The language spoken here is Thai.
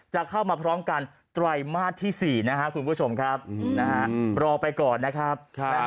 จะเข้ามาพร้อมกันไตรมาสที่๔นะครับคุณผู้ชมครับนะฮะรอไปก่อนนะครับ